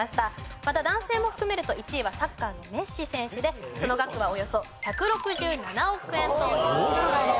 また男性も含めると１位はサッカーのメッシ選手でその額はおよそ１６７億円という事です。